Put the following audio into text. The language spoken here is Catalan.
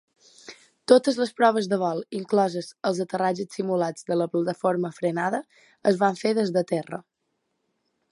Totes les proves de vol, inclosos els aterratges simulats de la plataforma de frenada, es van fer des de terra.